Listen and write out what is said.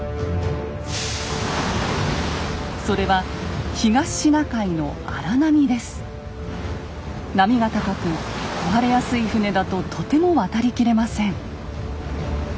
それは波が高く壊れやすい船だととても渡りきれません。